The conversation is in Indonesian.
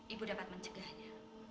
ibu bisa mengecegahnya